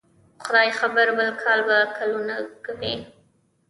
خدای خبر؟ بل کال به ګلونه کوي